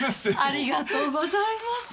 ありがとうございます。